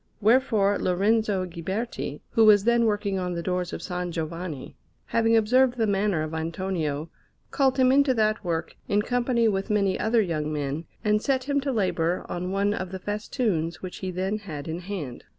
Wherefore Lorenzo Ghiberti, who was then working on the doors of S. Giovanni, having observed the manner of Antonio, called him into that work in company with many other young men, and set him to labour on one of the festoons which he then had in hand.